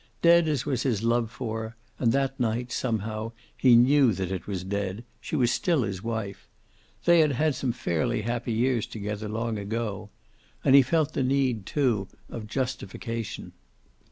Dead as was his love for her, and that night, somehow, he knew that it was dead, she was still his wife. They had had some fairly happy years together, long ago. And he felt the need, too, of justification.